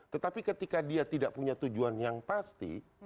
tetapi ketika dia tidak punya tujuan yang pasti